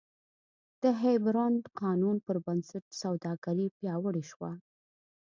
د هیپبرن قانون پربنسټ سوداګري پیاوړې شوه.